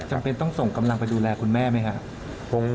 จำเป็นต้องส่งกำลังไปดูแลคุณแม่ไหมครับ